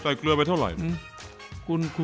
ใส่เกลือไปเท่าไรนะ